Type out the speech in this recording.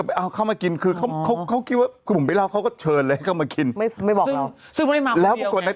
ในบ้านอุ้ยตายแล้ว